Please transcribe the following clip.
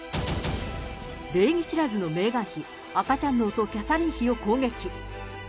礼儀知らずのメーガン妃、赤ちゃん脳とキャサリン妃を攻撃。